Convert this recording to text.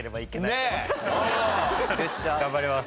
頑張ります。